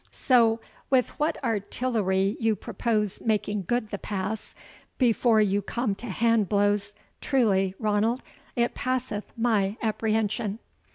So with what artillery you propose making good the pass, before you come to hand blows, truly, Ranald, it passeth my apprehension."